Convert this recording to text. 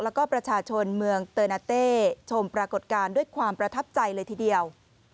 แล้วก็ประชาชนเมืองเตอร์นาเต้ชมปรากฏการณ์ด้วยความประทับใจเลยทีเดียว